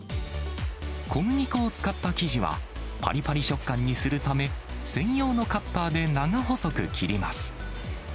小麦粉を使った生地は、ぱりぱり食感にするため、専用のカッターで長細く切ります。